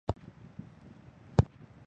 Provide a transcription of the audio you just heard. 该物种的保护状况被评为近危。